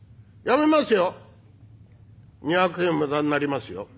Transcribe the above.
やめますよ！」。